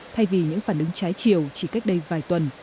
thay vì những phản ứng trái chiều chỉ cách đây vài tuần